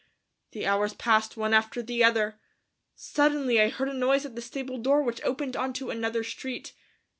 The hours passed one after the other; suddenly I heard a noise at the stable door which opened onto another street.